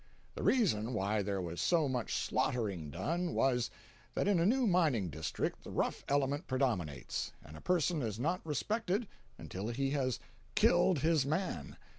The reason why there was so much slaughtering done, was, that in a new mining district the rough element predominates, and a person is not respected until he has "killed his man."